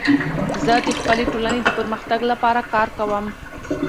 زه د خپلي ټولني د پرمختګ لپاره کار کوم.